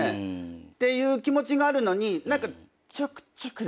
っていう気持ちがあるのに。